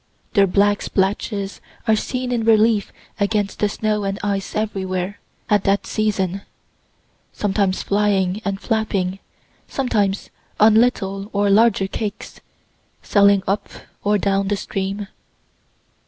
Their black splatches are seen in relief against the snow and ice everywhere at that season sometimes flying and flapping sometimes on little or larger cakes, sailing up or down the stream.